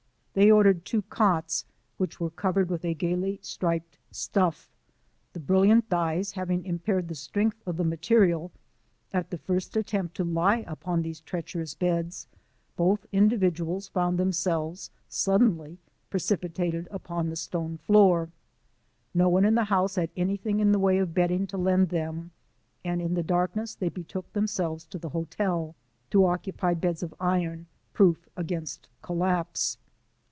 They ordered two cots, which were covered with a gayly striped stuff. The brilliant dyes having impaired the strength of the material, at the first attempt to lie upon these treacherous beds, both individuals found themselves suddenly precipitated upon the stone floor. No one in the house had anything in the way of bedding to lend them, and in the darkness they betook themselves to the hotel, to occupy beds of iron, proof against collapse.